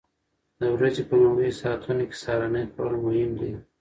د ورځې په لومړیو ساعتونو کې سهارنۍ خوړل مهم دي.